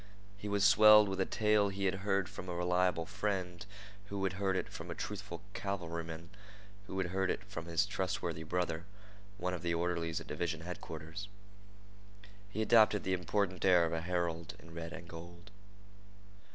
He was swelled with a tale he had heard from a reliable friend, who had heard it from a truthful cavalryman, who had heard it from his trustworthy brother, one of the orderlies at division headquarters. He adopted the important air of a herald in red and gold.